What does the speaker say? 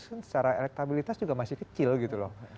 secara elektabilitas juga masih kecil gitu loh